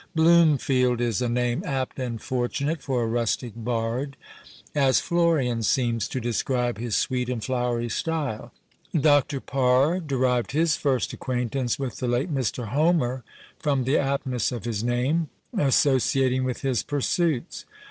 Bloomfield is a name apt and fortunate for a rustic bard; as Florian seems to describe his sweet and flowery style. Dr. Parr derived his first acquaintance with the late Mr. Homer from the aptness of his name, associating with his pursuits.